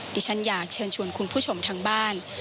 ดิฉันอยากเชิญชวนคุณผู้ชมทางบ้าน